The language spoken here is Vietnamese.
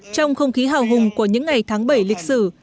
trong không khí hào hùng của những ngày tháng bảy lịch sử